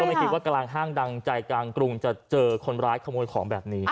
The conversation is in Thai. ไม่คิดว่ากลางห้างดังใจกลางกรุงจะเจอคนร้ายขโมยของแบบนี้